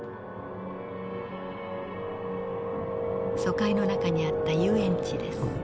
租界の中にあった遊園地です。